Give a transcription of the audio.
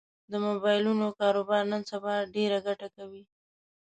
د مبایلونو کاروبار نن سبا ډېره ګټه کوي